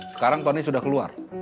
sekarang tony sudah keluar